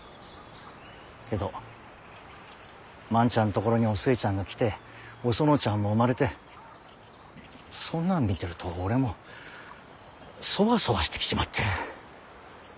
けど万ちゃんところにお寿恵ちゃんが来てお園ちゃんも生まれてそんなん見てると俺もそわそわしてきちまって。